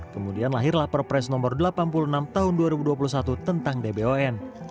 kemudian lahirlah perpres nomor delapan puluh enam tahun dua ribu dua puluh satu tentang dbon